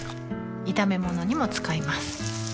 炒め物にも使います